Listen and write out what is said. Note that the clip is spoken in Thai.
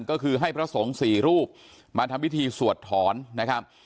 ก็คือให้พระสงฆ์สี่รูปมาทำพิธีสวดถอนนะครับ